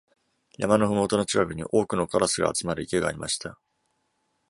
山のふもとの近くに、多くのカラスが集まる池がありました。